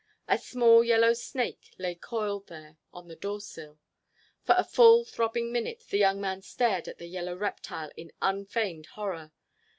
A small yellow snake lay coiled there on the door sill. For a full throbbing minute the young man stared at the yellow reptile in unfeigned horror.